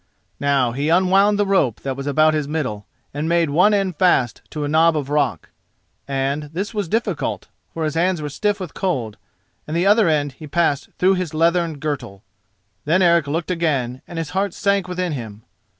Now he unwound the rope that was about his middle, and made one end fast to a knob of rock—and this was difficult, for his hands were stiff with cold—and the other end he passed through his leathern girdle. Then Eric looked again, and his heart sank within him.